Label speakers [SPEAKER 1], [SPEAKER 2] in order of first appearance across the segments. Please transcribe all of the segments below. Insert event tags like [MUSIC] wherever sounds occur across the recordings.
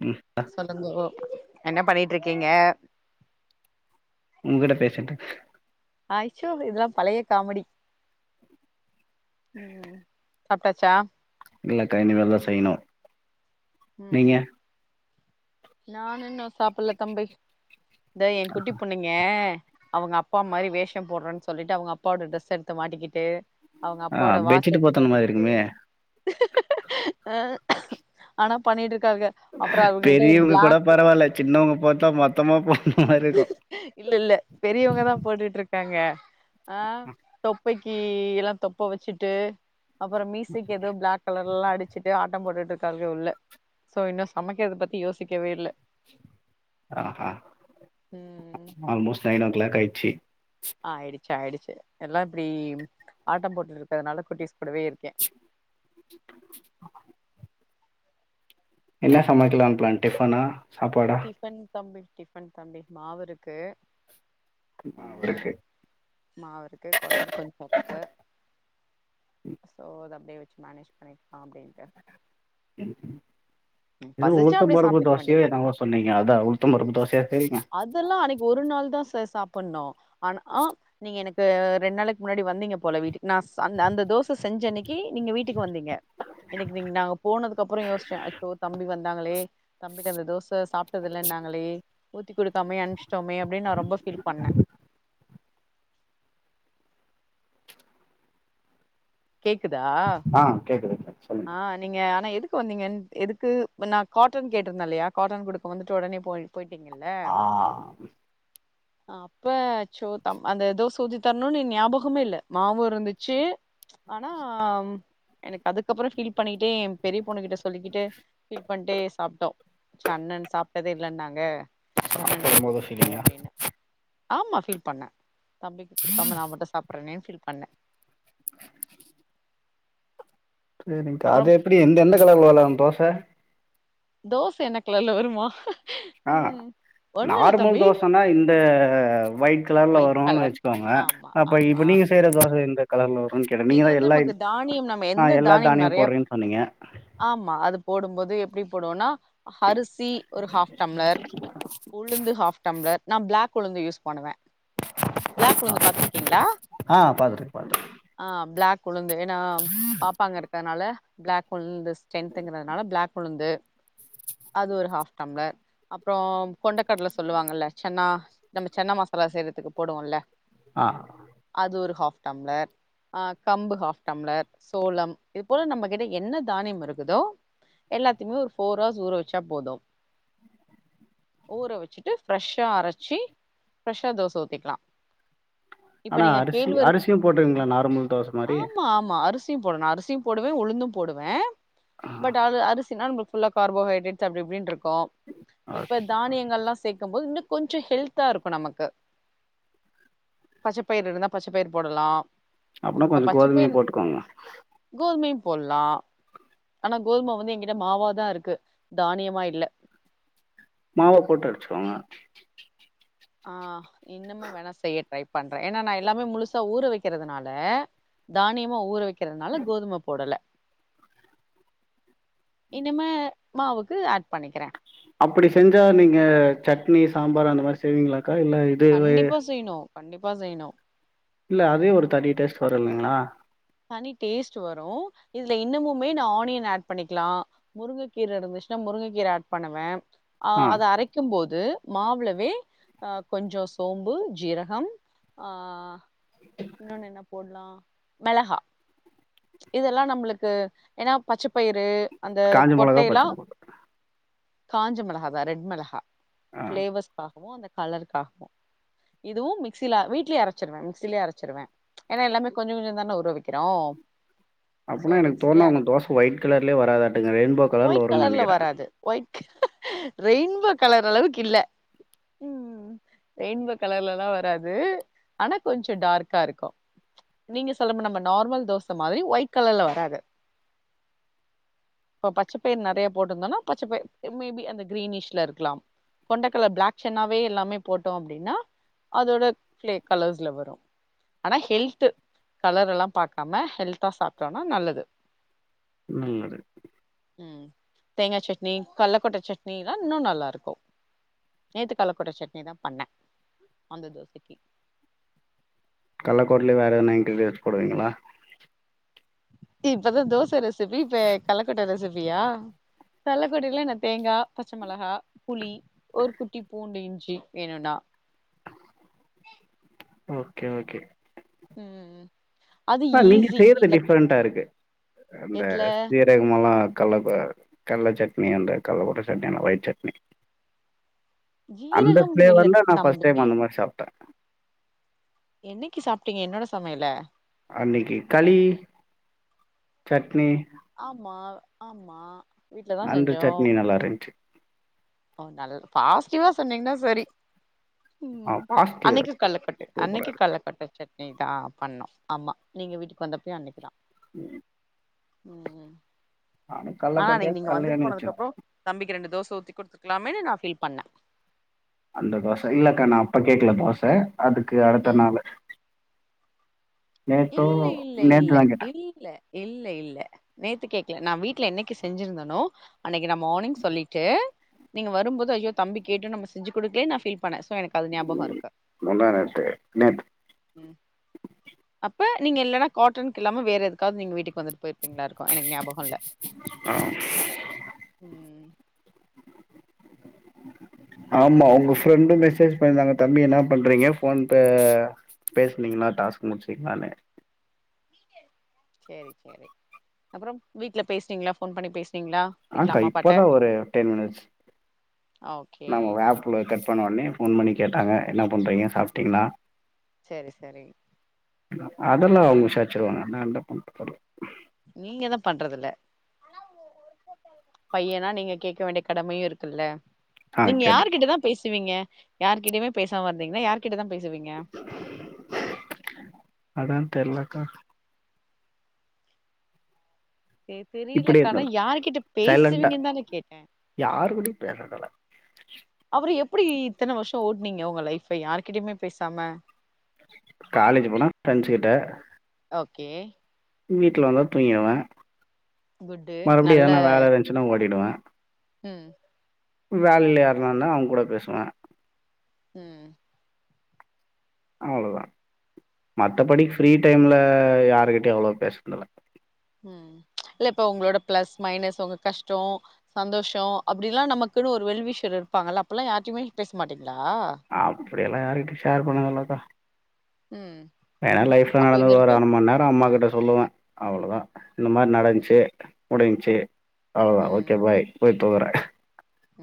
[SPEAKER 1] ம்
[SPEAKER 2] சொல்லுங்கோ என்ன பண்ணிட்டுருக்கீங்க
[SPEAKER 1] உன்கிட்ட பேசிட்டுருக்கேன்
[SPEAKER 2] ஐயோ இதல்லாம் பழைய காமெடி உம் சாப்ட்டாச்சா
[SPEAKER 1] இல்லக்கா இனிமேல் தா செய்ணும்
[SPEAKER 2] ம் ம் நானு இன்னு சாப்பல தம்பி இத என் குட்டி பொண்ணு ஏ அவங்க அப்பா மாரி வேஷம் போடுறேன்னு சொல்லிட்டு அவங்க அப்பாவோட ட்ரெஸ் எடுத்து மாட்டிக்கிட்டு அவங்க
[SPEAKER 1] ஆ
[SPEAKER 2] அப்போட வாட்ச்
[SPEAKER 1] பெட்ஷீட்
[SPEAKER 2] எடுத்து
[SPEAKER 1] போத்தன மாரி
[SPEAKER 2] கட்டிக்கிட்டு
[SPEAKER 1] இருக்குமே
[SPEAKER 2] அ ஆனா பண்ணிட்டுருக்காங்க
[SPEAKER 1] பெரியவங்க கூட பரவாயில்ல சின்னவங்க பாரத்தா மொத்தமா போ
[SPEAKER 2] இல்ல இல்ல பெரியவங்க தா போட்டுட்டுருக்காங்க ஆ தொப்பை எல்லாம் தொப்ப வச்சுட்டு அப்றம் மீசைக்கு ஏதோ பிளாக் கலர் எல்லாம் அடிச்சுட்டு ஆட்டம் போட்டுட்டு இருக்காளுக உள்ள சோ இன்னு சமைக்கறத பத்தி யோசிக்கவே இல்ல
[SPEAKER 1] ஆஹா
[SPEAKER 2] இது
[SPEAKER 1] ஆல்மோஸ்ட் நைன் ஓ கிளாக் ஆயிச்சு
[SPEAKER 2] ஆ ஆயிடுச்சு ஆயிடுச்சு எல்லாம் இப்படி ஆட்டம் போட்டுட்டு இருக்கிறதுனால குட்டிஸ் கூடடவே இருக்கே
[SPEAKER 1] என்ன சமைக்கலாம்னு ப்ளான் டிஃபனா சாப்பாடா
[SPEAKER 2] டிஃபன் தம்பி டிஃபன் தம்பி மாவு இருக்கு ஆ
[SPEAKER 1] இருக்கு
[SPEAKER 2] மாவு இருக்கு குழம்பு கொஞ்சம் இருக்கு சோ அ அப்டியே வச்சு மேனேஜ் பண்ணிக்கலா அப்டின்ட்டு ம்
[SPEAKER 1] இது
[SPEAKER 2] பசிச்சா
[SPEAKER 1] உளுத்தம்
[SPEAKER 2] அப்டியே
[SPEAKER 1] பருப்பு
[SPEAKER 2] சாப்ட்டுக்க வேண்டியதா
[SPEAKER 1] தோசையோ என்னவோ சொன்னீங்க அதா உளுத்தம் பருப்பு தோசையா சேரிங்க
[SPEAKER 2] அதெல்லா அன்னைக்கு ஒரு நாள் தா சார் சாப்பிட்ணு ஆனா ஆ நீங்க எனக்கு ரெண்டு நாளைக்கு முன்னாடி வந்தீங்க போல வீட்டுக்கு நா ச அந்த தோச செஞ்ச அன்னைக்கு நீங்க வீட்டுக்கு வந்தீங்க எனக்கு நீங்க நா அங்க போனதுக்கு அப்பற யோசுச்சே அச்சோ தம்பி வந்தாங்களே தம்பிட்ட அந்த தோச ச சாப்பிட்டதில்லன்னாங்களே ஊத்திக் குடுக்காமே அனும்ச்சிட்டோமே அப்டின் நா ரொம்ப ஃபீல் பண்ணே கேக்குதா
[SPEAKER 1] ஆ கேக்குதுங்க
[SPEAKER 2] ஆ
[SPEAKER 1] சொல்லுங்க
[SPEAKER 2] நீங்க ஆனா எதுக்கு வந்தீங்கன் எதுக்கு நா காட்டன் கேட்ருந்தே இல்லையா காட்டன் குடுக்க வந்துட்டு ஒடனே போயிட் போய்ட்டீங்கல்ல
[SPEAKER 1] ஆ
[SPEAKER 2] அப்ப சோதம் அந்த தோச ஊத்தி தர்ணுன்னு ஞாபகமே இல்ல மாவு இருந்துச்சு ஆனா எனக்கு அதுக்கப்பற ஃபீல் பண்ணிகிட்டே எ பெரிய பொண்ணுக் கிட்ட சொல்லிக்கிட்டு ஃபீல் பண்ட்டே சாப்ட்டோ ச அண்ணன் சாப்ட்டதே இல்லன்னாங்க அண்ணனுக்கு
[SPEAKER 1] சாப்பிடும்
[SPEAKER 2] ஊத்தி
[SPEAKER 1] போது
[SPEAKER 2] குடுத்துருவோ
[SPEAKER 1] ஃபீலிங்கா
[SPEAKER 2] அப்டின்னு ஆமா ஃபீல் பண்ணே தம்பிக்கு குடுக்காம நா மட்டு சாப்ட்றனேனு ஃபீல் பண்ணே
[SPEAKER 1] சேரிங்க்கா அது
[SPEAKER 2] அப்புறம்
[SPEAKER 1] எப்டி எந்த எந்த கலர்ல வளரு தோச
[SPEAKER 2] தோச என்ன கலர்ல வருமா
[SPEAKER 1] ஆ
[SPEAKER 2] ம் ஒண்ணுல்ல
[SPEAKER 1] நார்மல்
[SPEAKER 2] தம்பி
[SPEAKER 1] தோசனா இந்த ஒயிட் கலர்ல
[SPEAKER 2] ஒயிட்
[SPEAKER 1] வருன்னு
[SPEAKER 2] கலர்
[SPEAKER 1] வெச்சுக்கோங்க
[SPEAKER 2] ஆமா
[SPEAKER 1] அப்ப
[SPEAKER 2] ஆமா
[SPEAKER 1] இப்ப நீங்க செய்ற தோச எந்த கலர்ல வருன்னு கேட்டே
[SPEAKER 2] இது
[SPEAKER 1] நீங்கதா
[SPEAKER 2] வந்து
[SPEAKER 1] எல்லா
[SPEAKER 2] நமக்கு
[SPEAKER 1] இக்
[SPEAKER 2] தானியம் நம்ம
[SPEAKER 1] ஆ
[SPEAKER 2] எந்த
[SPEAKER 1] எல்லா
[SPEAKER 2] தானியம்
[SPEAKER 1] தானியமு
[SPEAKER 2] நெறைய
[SPEAKER 1] போட்றேன்னு சொன்னீங்க
[SPEAKER 2] ஆமா அது போடும்போது எப்டி போடுவோனா ஹரிசி ஒரு ஹாஃப் டம்ளர் உளுந்து ஹாஃப் டம்ளர் நா பிளாக் உளுந்து யூஸ் பண்ணுவே பிளாக் உளுந்து பாத்துருக்கீங்ளா
[SPEAKER 1] ஆ பாத்துருக்கே பாத்துருக்
[SPEAKER 2] ஆ பிளாக் உளுந்து ஏனா பாப்பாங்க இருக்கதுனால பிளாக் உளுந்து ஸ் ஸ்ட்ரென்துங்கிறதுனால பிளாக் உளுந்து அது ஒரு ஹாஃப் டம்ளர் அப்றோ கொண்டக்கட்ல சொல்லுவாங்கல்ல சன்னா நம்ம சன்னா மசாலா செய்றத்துக்கு போடுவோல்ல
[SPEAKER 1] ஆ
[SPEAKER 2] அது ஒரு ஹாஃப் டம்ளர் ஆ கம்பு ஹாஃப் டம்ளர் சோளம் இது போல நம்மகிட்ட என்ன தானியம் இருக்குதோ எல்லாத்தையுமே ஒரு ஃபோர் ஹவர்ஸ் ஊற வெச்சா போது ஊற வெச்சுட்டு ஃப்ரெஷ்ஷா அரைச்சு ஃப்ரெஷ்ஷா தோச ஊத்திக்கலா இப்ப
[SPEAKER 1] ஆனா
[SPEAKER 2] நீங்க
[SPEAKER 1] அரிசி
[SPEAKER 2] கேள்வெரகு
[SPEAKER 1] அரிசியு
[SPEAKER 2] ஆ
[SPEAKER 1] போட்டுருவீங்களா நார்மல் தோச மாரி
[SPEAKER 2] ஆமாம்மா அரிஸ் சி போடணு அரிசியு போடுவே உளுந்து போடுவே பட் அது அரிசினா நம்மளுக் குள்ள கார்போஹைட்ரேட்ஸ் அப்டி இப்டினு இருக்கு இப்ப தானியங்கள்லா சேக்கும்போது இன்னு கொஞ்ச ஹெல்த்த இருக்கு நமக்கு பச்சைப்பயிர் இருந்தா பச்ச பயிர் போடலா
[SPEAKER 1] அப்டினா
[SPEAKER 2] இப்ப
[SPEAKER 1] கொஞ்ச கோதுமையு
[SPEAKER 2] பச்சப்பயிர்
[SPEAKER 1] போட்டுக்கோங்க
[SPEAKER 2] கோதுமையு போட்லா ஆனா கோதும வந்து எங்கிட்ட மாவாதா இருக்கு தானியமா இல்ல
[SPEAKER 1] மாவ போட்டு அடிச்சுக்கோங்க
[SPEAKER 2] ஆ இன்னமு வேணா செய்ய ட்ரை பண்றே ஏனா நா எல்லாமே முழுசா ஊற வெக்கிறதுனால தானியமா ஊற வெக்கிறதுனால கோதும போடல இனிமே மாவுக்கு ஆட் பண்ணிக்கிறே
[SPEAKER 1] அப்புடி செஞ்சா நீங்க சட்னி சாம்பார் அந்த மாரி செய்வீங்ளாக்கா இல்ல இதுவே
[SPEAKER 2] கண்டிப்பா செய்ணு கண்டிப்பா செய்ணு
[SPEAKER 1] இல்ல அதே ஒரு தனி டேஸ்டு வரும் இல்லங்களா
[SPEAKER 2] தனி டேஸ்ட் வரும் இதுல இன்னமுமே நா ஆனியன் ஆட் பண்ணிக்கலா முருங்கைகீரை இருந்துச்சுன்னா முருங்கைகீரை ஆட் பண்ணுவே ஆ அதை அரைக் க்கும் போது மாவுளவே ஆ கொஞ்ச சோம்பு ஜீரகம் ஆ இன்னொன்னு என்ன போடலா மிளகா இதெல்லா நம்மளுக்கு ஏன்னா பச்சைப்பயிறு அந்த
[SPEAKER 1] காஞ்ச மொளகா
[SPEAKER 2] கொட்டையல்லா
[SPEAKER 1] பச்ச மொளகா
[SPEAKER 2] காஞ்ச மிளகா அத ரெட் மிளகா
[SPEAKER 1] ஆ
[SPEAKER 2] பிளேவர்ஸ்சுக்காகவு அந்த கலருக்காகவு இதுவு மிக்சில வீட்லேயே அரைச்சிடுவே மிக்சிலயே அரைச்சிடுவே ஏன்னா எல்லாமே கொஞ்ச கொஞ்ச தானே ஊற வைக்கிறோ சோ
[SPEAKER 1] அப்டின்னா எனக்கு
[SPEAKER 2] மிக்சிலயே
[SPEAKER 1] தேணு
[SPEAKER 2] அரை
[SPEAKER 1] உங்க தோசை ஒயிட்கலர்லயே வராதட்டுங்கே ரேயின் போ கலர்ல
[SPEAKER 2] ஒயிட்
[SPEAKER 1] வருன்னு நினைக்கிறே
[SPEAKER 2] வராது ஒயிட் ரெயின்போ கலர் அளவுக்கு இல்ல ம்ம் ரெயின்போ கலர்ல எல்லா வராது ஆனா கொஞ்ச டார்க்கா இருக்கும் நீங்க சொல்ல போ நம்ம நார்மல் தோச மாறி ஒயிட் கலர்ல வராது இப்ப பச்சைப்பயிர் நெறைய போட்டிருந்தன்னா பச்சைப்பயிர் மே பி அந்த கிரீனிஷ்ல இருக்கலா கொண்ட கல்ல பிளாக் சென்னாவே எல்லாமே போட்டோ அப்டின்னா அதோட பே கலர்ஸ்ல வரும் ஆனா ஹெல்த் கலர் எல்லா பாக்காம ஹெல்த்தா சாப்ட்டானா நல்லது
[SPEAKER 1] நல்லது
[SPEAKER 2] ம் தேங்கா சட்னி கள்ளக் கொட்ட சட்னி எல்லா இன்னு நல்லா இருக்கும் நேத்தி கள்ள கொட்ட சட்னி தா பண்ணே அந்த தோசைக்கு
[SPEAKER 1] கள்ளக்கோடல வேற எதன நைட்டுக்கு ஏதாவது போடுவீங்களா
[SPEAKER 2] இப்பதா தோச ரெசிபி இப்ப கள்ளக்கொட்ட ரெசிபியா கள்ளக்கொட்டையில என்ன தேங்காய் பச்ச மிளகா புளி ஒரு குட்டி பூண்டு இஞ்சு வேணுனா
[SPEAKER 1] ஓகே ஓகே
[SPEAKER 2] ம் ம்
[SPEAKER 1] ஆ நீங்க செய்யறது டிஃரெண்டா இருக்கு அந்த
[SPEAKER 2] எதுல
[SPEAKER 1] அதிக்கமல்லா கள்ள ஆ கடல சட்னி அந்த கள்ள கொட்ட சட்னி ஒயிட் சட்னி அந்த
[SPEAKER 2] ஜீரகம் இல்ல
[SPEAKER 1] ப்ளேவர் நா ஃபர்ஸ்ட் டைம்
[SPEAKER 2] தம்பி
[SPEAKER 1] அந்த மாறி சாப்
[SPEAKER 2] என்னைக்கு சாப்பிட்டீங்க என்னோட சமையல
[SPEAKER 1] அன்னைக்கு களி சட்னி
[SPEAKER 2] ஆமா ஆமா வீட்டுல தா
[SPEAKER 1] அந்த
[SPEAKER 2] செஞ்சோ
[SPEAKER 1] சட்னி நல்லா இருச்சு
[SPEAKER 2] ஓ நல்லது பாசிட்டிவா சொன்னீங்கன்னா சேரி
[SPEAKER 1] ஆ
[SPEAKER 2] ம்
[SPEAKER 1] பாசிட்டிவ்
[SPEAKER 2] அன்னைக்கு
[SPEAKER 1] இருக்கு.
[SPEAKER 2] கள்ளக்கெட்ட
[SPEAKER 1] சூப்பரா
[SPEAKER 2] அன்னைக்கு
[SPEAKER 1] இருக்கு.
[SPEAKER 2] கள்ளக்கெட்ட சட் னி தா பண்ணே ஆமா நீங்க வீட்டுக்கு வந்த போ அன்னைக்குதா
[SPEAKER 1] ம்
[SPEAKER 2] ம்
[SPEAKER 1] நானும்
[SPEAKER 2] ஆனா
[SPEAKER 1] கல்லக்கோட்டையா
[SPEAKER 2] அன்னைக்கு நீங்க வந்துட்டு
[SPEAKER 1] கல்லையான்னு
[SPEAKER 2] போனதுக்கு அப்றே
[SPEAKER 1] யோசிச்சிருந்தேன்.
[SPEAKER 2] தம்பிக்கு ரெண்டு தோசை ஊத்தி கொத்துக்கலாமேனு நா பீல் பண்ணே
[SPEAKER 1] அந்த தோசை இல்ல அக்கா நா அப்ப கேக்குல தோசை அதுக்கு அடுத்த
[SPEAKER 2] ம்
[SPEAKER 1] நாளு நேத்தே
[SPEAKER 2] இல்ல இல்ல
[SPEAKER 1] நேத்து
[SPEAKER 2] இல்ல
[SPEAKER 1] தா கேட்டே
[SPEAKER 2] இல்ல இல்ல இல்ல நேத்து கேக்கல நா வீட்டுல என்னைக்கு செஞ்சிருந்தனே அன்னைக்கு நா மார்னிங் சொல்லிட்டு நீங்க வரும்போது ஐயோ தம்பி கேட்டு நம்ப செஞ்சு கொடுக்கலேயே நா ஃபில் பண்ணே சோ எனக் அது ஞாபக இருக்கு
[SPEAKER 1] முந்தா நேத்து நேத்து.
[SPEAKER 2] ம் அப்ப நீங்க இல்லன்னா காட்டனுக்கு இல்லாம வேற எதுக்காவது நீங்க வந்துட்டு போயிட்டு போயிங்க [UNINTELLIGIBLE] இருக்கும் எனக்கு ஞாபக இல்ல [INAUDIBLE]
[SPEAKER 1] ஆமா உங்க ஃப்ரெண்டு மெசேஜ் பண்ணிருந்தாங்க தம்பி என்ன பண்றீங்க போன் ப பேசுனீங்களா டாஸ்க் முடிச்சிங்களான்னு
[SPEAKER 2] சேரி சேரி அப்றோ வீட்ல பேசிடிங்களா போன் பண்ணி பேச
[SPEAKER 1] ஆ அக்கா இப்பதா ஒரு டென் மினிட்ஸ்
[SPEAKER 2] ஓகே
[SPEAKER 1] நம்ம ஆப் ப்ல கட் பண்ண உன்னைய ஃபோன் பண்ணி கேட்டாங்க என்ன பண்றீங்க சாப்ட்டிங்களா
[SPEAKER 2] சேரி சேரி
[SPEAKER 1] அது எல்லா அவங்க விசாரிச்சிருவாங்க நல்ல பொண்ணு
[SPEAKER 2] நீங்க தா பண்றது இல்ல பையனா நீங்க கேக்க வேண்டிய கடமையு இருக்கு இல்ல
[SPEAKER 1] ஆ
[SPEAKER 2] நீங்க
[SPEAKER 1] கேட்டே
[SPEAKER 2] யார்கிட்டதா பேசுவீங்க யார்கிட்டயுமே பேசாம இருந்திங்கன்னா யார்கிட்டதா பேசுவீங்க
[SPEAKER 1] அதா தெரிலக்கா இப்டியே
[SPEAKER 2] தெரியலக்கானா
[SPEAKER 1] இருந்தரு
[SPEAKER 2] யார் கிட்ட
[SPEAKER 1] சைலண்டா
[SPEAKER 2] பேசுவிங்கன்னு தானே கேட்டே
[SPEAKER 1] யாரு கூடயு பேசறதில்ல
[SPEAKER 2] அப்றோ எப்டி இத்தன வருஷோ ஓட்டுனிங்க உங்க லைஃப் யாருகிட்டயுமே பேசாம
[SPEAKER 1] காலேஜ் போனா ஃபிரண்ட்ஸ் கிட்ட
[SPEAKER 2] ஓகே
[SPEAKER 1] வீட்டில வந்தால் தூங்கிடுவே
[SPEAKER 2] குட்டு
[SPEAKER 1] மறுபடியு
[SPEAKER 2] நல்ல
[SPEAKER 1] எதனா வேல இருந்துச்சுன்னா ஓடிடுவே
[SPEAKER 2] ம்
[SPEAKER 1] வேல இல்லியா இருந்தா அவங் கூட பேசுவே
[SPEAKER 2] ம்
[SPEAKER 1] அவ்ளோதா மத்தபடி ஃப்ரீ டைமில்ல யாருக்கிட்டயு அவ்ளோ பேசுனதில்ல
[SPEAKER 2] ம் இல்ல இப்ப உங்களோட பிளஸ் மைனஸ் உங்க கஷ்டோ சந்தோஷோ அப்டி எல்லா நமக்குன்னு ஒரு வெல்விஷயர் இருப்பாங்கல்ல அப்பில்லா யாருகிட்டையுமே பேச மாட்டிங்களா
[SPEAKER 1] அப்டி எல்லா யாருகிட்டயு ஷேர் பண்ணது இல்லக்கா
[SPEAKER 2] ம்
[SPEAKER 1] வேண்ணா லைஃப்ல
[SPEAKER 2] அப்ப இது
[SPEAKER 1] நடந்தது ஒரு
[SPEAKER 2] வரைக்கு
[SPEAKER 1] அர மண் நேரோ அம்மா கிட்ட சொல்லுவே அவ்ளதாஇந்த மாரி நடந்துச்சு முடிஞ்ச்சு அவ்ளதா
[SPEAKER 2] ம்
[SPEAKER 1] ஓகே பாய் போயி தூங்கறே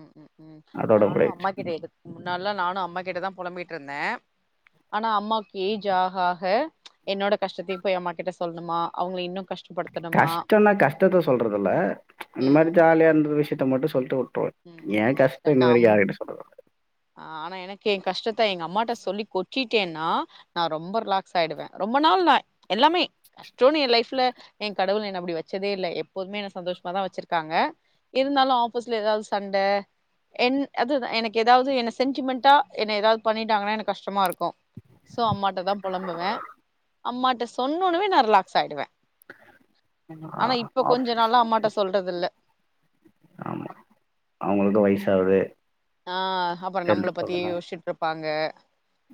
[SPEAKER 2] ம் ம் ம் நானு
[SPEAKER 1] முடிஞ்ச்சு
[SPEAKER 2] அம்மா கிட்ட எ முன்னால்லா நானு அம்மா கிட்டதா பொலம்பிட்டு இருந்தே ஆனா அம்மாக்கு ஏஜ் ஆகா ஆகா என்னோட கஷ்டத்தையு போயி அம்மா கிட்ட சொல்லணுமா அவங்கள இன்னு கஷ்ட
[SPEAKER 1] கஷ்டன்னா கஷ்டத்த சொல்றது இல்ல இந்த
[SPEAKER 2] ம்
[SPEAKER 1] மாரி ஜாலியா இருந்த விஷயத்த மட்டு சொல்ட்டு விட்டுருவே
[SPEAKER 2] ம்
[SPEAKER 1] ஏ கஷ்டத்த இன்ன வரைக்கு யார் கிட்டயு சொன்ன
[SPEAKER 2] ஆ ஆனா எனக்கு ஏ கஷ்டத்த எங்க அம்மாயிட்ட சொல்லி கொட்டிடேன்னா நா ரொம்ப ரிலாக்ஸ் ஆயிடுவே ரொம்ப நாள் நா எல்லாமே கஷ்டோன்னு ஏ லைஃப்ல ஏ கடவுள் என்ன அப்டி வெச்சதே இல்ல எப்போதுமே என்ன சந்தோஷமா தா வெச்சிருக்காங்க இருந்தாலு ஆப்பிஸ்ல ஏதாவது சண்ட என் அதுதா எனக் எது ஏதாவது என்ன சென்டிமெண்ட்டா என்ன ஏதாவது பண்ணிட்டாங்கன்னா எனக்கு கஷ்டமா இருக்கு சோ அம்மாயிட்டா தா பொலம்புவே அம்மாயிட்ட சொன்னோன்னவே நா ரிலாக்ஸ் ஆயிடுவே ஆனா
[SPEAKER 1] ஆ
[SPEAKER 2] இப்ப கொஞ்ச
[SPEAKER 1] ஆஃபீஸ்
[SPEAKER 2] நாளா அம்மாட்ட சொல்றது இல்ல
[SPEAKER 1] ஆமா அவங்களுக்கு வயசு ஆகுது
[SPEAKER 2] ஆ அப்றோ நம்மள பத்தியே யோசிச்சுட்டு இருப்பாங்க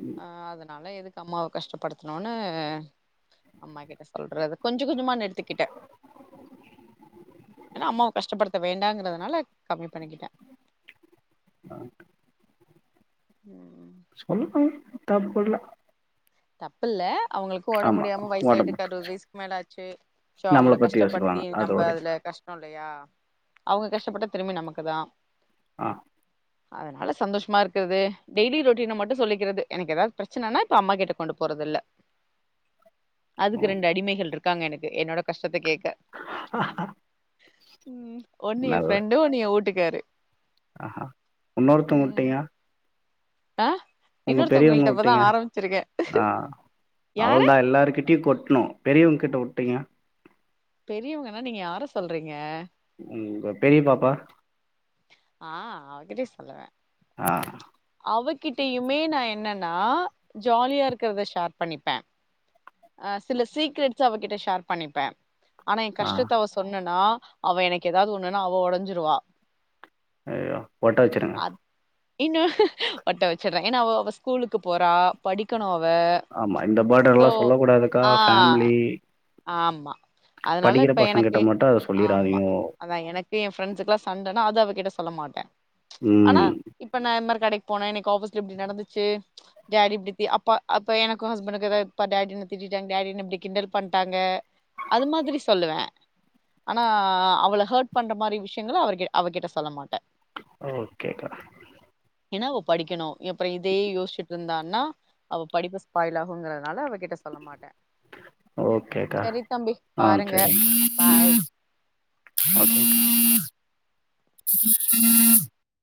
[SPEAKER 1] ம்
[SPEAKER 2] அ அதனால எதுக்கு அம்மாவ கஷ்டப்படுத்துனுன்னு அம்மா கிட்ட சொல்றது கொஞ்ச கொஞ்சமா நிறுத்துக்கிட்டே ஏன்னா அம்மாவை கஷ்டப்படுத்த வேண்டாங்கறதுனால கம்மி பண்ணிக்கிட்டே
[SPEAKER 1] ஆ
[SPEAKER 2] உம்
[SPEAKER 1] சொல்லட்டூ தப்பு இல்ல
[SPEAKER 2] தப்பு இல்ல அவுங்களுக்கும் ஒடம்பு
[SPEAKER 1] ஆமா
[SPEAKER 2] முடியாம வயசு ஆயிட்டு அறுபது வயசுக்கு மேல ஆச்சு சு
[SPEAKER 1] நம்மள
[SPEAKER 2] அவுங்கள
[SPEAKER 1] பத்தி
[SPEAKER 2] கஷ்டப்படுத்தி
[SPEAKER 1] யோசிப்பாங்க அது
[SPEAKER 2] நம்ப
[SPEAKER 1] ஒரு
[SPEAKER 2] அதுல கஷ் இல்லயா அவுங்க கஷ்டப்பட்டா திரும்பி நமக்கு தா
[SPEAKER 1] ஆ
[SPEAKER 2] அதனால சந்தோஷமா இருக்குறது டெய்லி ரொட்டீன மட்டு சொல்லிக்கிறது எனக்கு ஏதாவது பிரச்சனைனா இப்ப அம்மா கிட்ட கொண்டு போறது இல்ல ல அதுக்கு ரெண்டு அடிமைகள் இருக்காங்க எனக்கு என்னோட கஷ்டத்த கேக்க உம் ஒன்னி எ
[SPEAKER 1] நல்ல
[SPEAKER 2] ஃப்ரெண்டு ஒன்னு ஏ ஊட்டுக்காரு
[SPEAKER 1] ஆஹா இன்னொருத்தங்க விட்டிங்க
[SPEAKER 2] ஆ
[SPEAKER 1] உங்க பெரியவங்க
[SPEAKER 2] இன்னொருத்தவங்கள்ட்ட இப்பதா
[SPEAKER 1] உட்டீங்க
[SPEAKER 2] ஆரம்பிச்சிருக்கே
[SPEAKER 1] ஆ அவ்ள
[SPEAKER 2] யார
[SPEAKER 1] தா எல்லாருக்கிட்யும் கொட்ணூ பெரியவங்கிட்ட உட்டீங்க
[SPEAKER 2] பெரியவங்கன்னா நீங்க யார சொல்றீங்க
[SPEAKER 1] உம் உங்க பெரிய பாப்பா
[SPEAKER 2] ஆ அவகிட்ட சொல்லுவே
[SPEAKER 1] ஆ
[SPEAKER 2] அவகிட்டயுமே நா என்னன்னா ஜாலியா இருக்கிறத ஷேர் பண்ணிப்பே ஆ சில சீக்ரட்ஸ் அவகிட்ட ஷேர் பண்ணிப்பே ஆனா எ
[SPEAKER 1] ஆ
[SPEAKER 2] கஷ்டத்த அவ சொன்னனா அவ எனக்கு ஏதாவது ஒண்ணுன்னா அவ ஒடஞ்சிருவா
[SPEAKER 1] ஐயயோ ஒட்டவச்சுருங்க
[SPEAKER 2] இன்னும் ஒட்ட வச்சுறே ஏன்னா அவ அவ ஸ்கூலுக்கு போறா படிக்கணு அவ
[SPEAKER 1] ஆமா இந்த படர் எல்லா
[SPEAKER 2] சோ
[SPEAKER 1] சொல்ல கூடாதுக்கா
[SPEAKER 2] ஆ
[SPEAKER 1] ஃபேமிலி
[SPEAKER 2] ஆமா அதனால
[SPEAKER 1] படிக்கிற
[SPEAKER 2] இப்ப
[SPEAKER 1] பசங்
[SPEAKER 2] எனக்கு
[SPEAKER 1] கிட்ட மட்டு அத
[SPEAKER 2] ஆமா
[SPEAKER 1] சொல்லிடாதீங்கோ
[SPEAKER 2] அதா எனக்கு எ ஃப்ரெண்ட்ஸ்க்லா சண்டன்னா அது அவ கிட்ட சொல்ல மாட்டே
[SPEAKER 1] உம்
[SPEAKER 2] ஆனா இப்ப நா இன் மாரி கடைக்கு போனே ஆபீஸ்ல இப்டி நடந்துச்சு டாடி இப்டித் அப்பா அப்ப எனக்கும் ஹஸ்பண்டுக்கு டாடி திட்டிட்டாங் டாடி இப்டி கிண்டல் பண்ட்டாங்க அது மாதிரி சொல்லுவே ஆனா அவள ஹர்ட் பண்ற மாரி விஷயங்கள் அவர் அவகிட்ட சொல்ல மாட்டே
[SPEAKER 1] ஓகே கனா
[SPEAKER 2] ஏன்னா அவ படிக்கணு அப்றோம் இதயே யோசிச்சுட்டு இருந்தான்னா அவ படிப்பு ஸ்பாயிலாகுங்றதுனால அவகிட்ட சொல்ல மாட்டே
[SPEAKER 1] ஓகேக்கா
[SPEAKER 2] சரி தம்பி
[SPEAKER 1] நா
[SPEAKER 2] பாருங்க
[SPEAKER 1] வச்சுர்ரே
[SPEAKER 2] பாய்